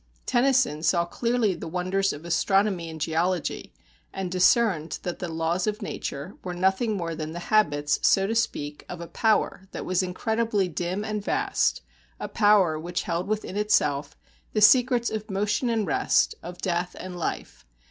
Tennyson saw clearly the wonders of astronomy and geology, and discerned that the laws of nature were nothing more than the habits, so to speak, of a power that was incredibly dim and vast, a power which held within itself the secrets of motion and rest, of death and life.